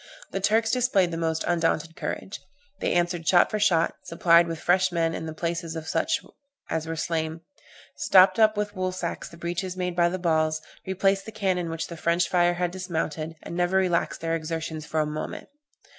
The Turks displayed the most undaunted courage; they answered shot for shot, supplied with fresh men the places of such as were slain, stopped up with woolsacks the breaches made by the balls, replaced the cannon which the French fire had dismounted, and never relaxed their exertions for a moment.